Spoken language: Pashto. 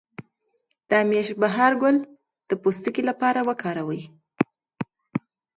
د همیش بهار ګل د پوستکي لپاره وکاروئ